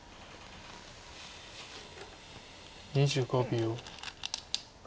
２５秒。